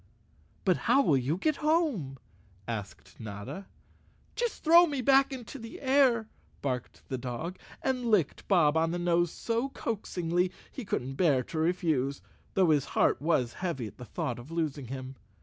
"But how will you get home?" asked Notta. "Just throw me back into the air," barked the dog, and licked Bob on the nose so coaxingly he couldn't bear to refuse, though his heart was heavy at the thought of losing him.